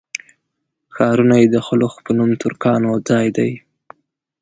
ښارونه یې د خلُخ په نوم ترکانو ځای دی.